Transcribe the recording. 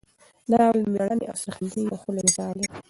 دا ناول د میړانې او سرښندنې یو ښکلی مثال دی.